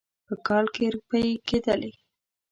په کال کې روپۍ کېدلې.